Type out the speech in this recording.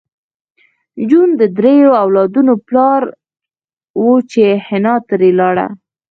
جون د دریو اولادونو پلار و چې حنا ترې لاړه